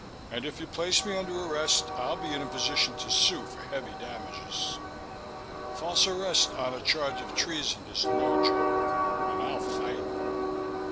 And if you place me under arrest I'll be in a position to sue for heavy damages. False arrest on a charge of treason is no joke and I'll fight."